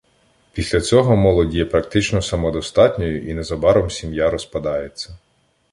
Після цього молодь є практично самодостатньою і незабаром сім'я розпадається.